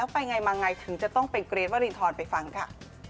ไปไงมาไงถึงจะต้องเป็นเกรทวรินทรไปฟังค่ะ